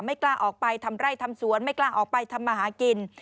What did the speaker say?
กล้าออกไปทำไร่ทำสวนไม่กล้าออกไปทำมาหากิน